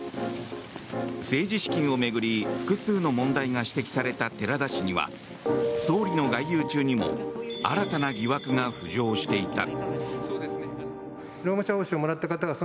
政治資金を巡り複数の問題が指摘された寺田氏には総理の外遊中にも新たな疑惑が浮上していた。